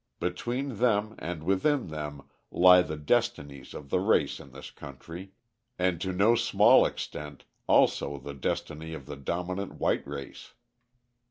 Between them and within them lie the destinies of the race in this country, and to no small extent also the destiny of the dominant white race.